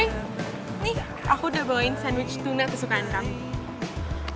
nih aku udah bawain sandwich tuna kesukaan kamu